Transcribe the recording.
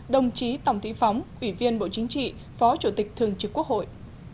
đồng chí tòng thị phóng ủy viên bộ chính trị phó chủ tịch thường trực quốc hội